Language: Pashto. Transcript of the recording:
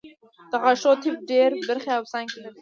د غاښونو طب ډېرې برخې او څانګې لري